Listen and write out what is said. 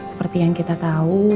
seperti yang kita tau